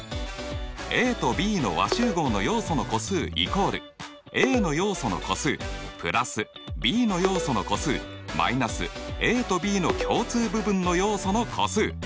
ＡとＢの和集合の要素の個数イコールＡの要素の個数＋Ｂの要素の個数−ＡとＢの共通部分の要素の個数。